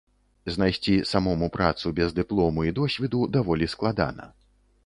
Знайсці самому працу без дыплому і досведу даволі складана.